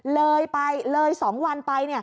เลยไปเลย๒วันไป